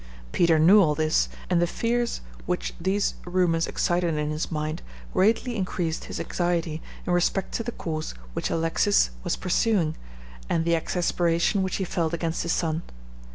Peter knew all this, and the fears which these rumors excited in his mind greatly increased his anxiety in respect to the course which Alexis was pursuing and the exasperation which he felt against his son.